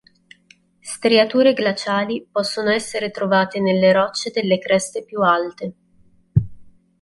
Striature glaciali possono essere trovate nelle rocce delle creste più alte.